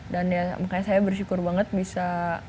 dan ya makanya saya bersyukur banget bisa